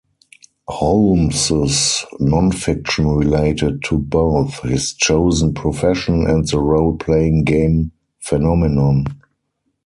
Holmes's non-fiction related to both his chosen profession and the role-playing game phenomenon.